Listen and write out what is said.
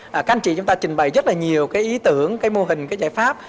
và các anh chị chúng ta trình bày rất là nhiều cái ý tưởng cái mô hình cái giải pháp